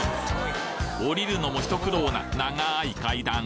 降りるのも一苦労な長い階段